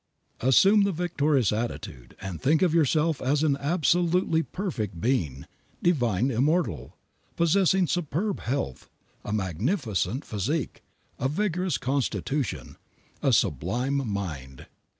Assume the victorious attitude, and think of yourself as an absolutely perfect being, divine, immortal, possessing superb health, a magnificent physique, a vigorous constitution, a sublime mind.